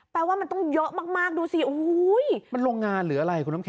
แปลว่ามันต้องเยอะมากดูสิโอ้โหมันโรงงานหรืออะไรคุณน้ำแ